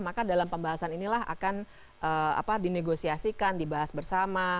maka dalam pembahasan inilah akan dinegosiasikan dibahas bersama